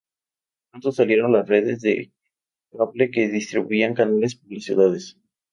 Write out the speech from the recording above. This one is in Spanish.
Pronto salieron las redes de cable que distribuían canales por las ciudades.